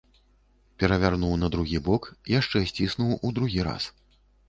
Перавярнуў на другі бок, яшчэ сціснуў у другі раз.